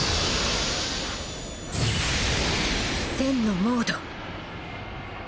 戦のモード。